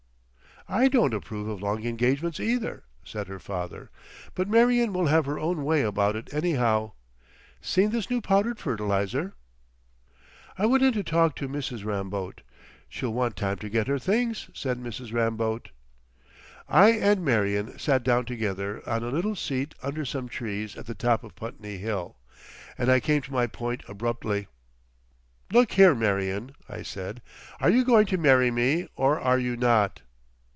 "I don't approve of long engagements either," said her father. "But Marion will have her own way about it, anyhow. Seen this new powdered fertiliser?" I went in to talk to Mrs. Ramboat. "She'll want time to get her things," said Mrs. Ramboat.... I and Marion sat down together on a little seat under some trees at the top of Putney Hill, and I came to my point abruptly. "Look here, Marion," I said, "are you going to marry me or are you not?"